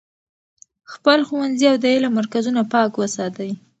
خپل ښوونځي او د علم مرکزونه پاک وساتئ.